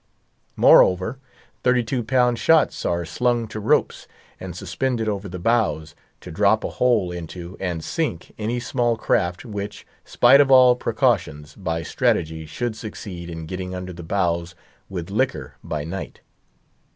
Moreover, thirty two pound shots are slung to ropes, and suspended over the bows, to drop a hole into and sink any small craft, which, spite of all precautions, by strategy should succeed in getting under the bows with liquor by night.